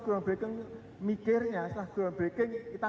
kalau sudah dia ditukar bersatu sendiri